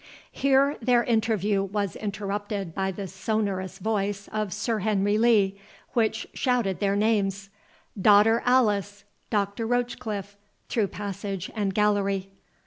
Here their interview was interrupted by the sonorous voice of Sir Henry Lee, which shouted their names, "Daughter Alice—Doctor Rochecliffe," through passage and gallery.